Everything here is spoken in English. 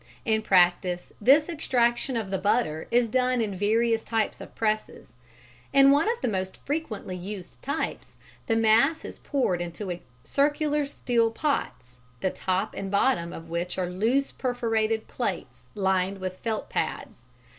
In practice this extraction of the butter is done in various types of presses. In one of the most frequently used types, the mass is poured into circular steel pots, the top and bottom of which are loose perforated plates lined with felt pads.